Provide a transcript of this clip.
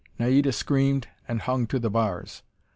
Naida screamed and hung to the bars.